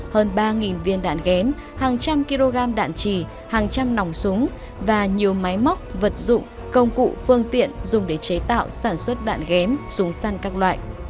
hơn ba viên đạn ghén hàng trăm kg đạn trì hàng trăm nòng súng và nhiều máy móc vật dụng công cụ phương tiện dùng để chế tạo sản xuất đạn ghém súng săn các loại